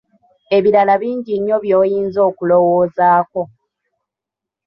Ebirala bingi nnyo by’oyinza okulowoozaako.